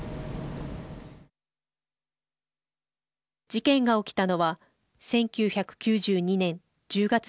事件が起きたのは１９９２年１０月１７日。